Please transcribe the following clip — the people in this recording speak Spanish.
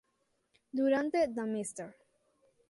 Durante The Mrs.